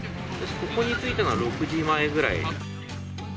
ここに着いたのが６時前ぐらい。